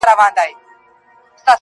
o ستا څخه چي ياره روانـــــــــــېــږمه.